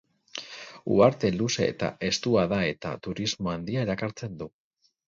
Uharte luze eta estua da eta turismo handia erakartzen du.